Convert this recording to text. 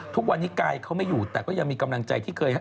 ทุกวันนี้กายเขาไม่อยู่แต่ก็ยังมีกำลังใจที่เคยให้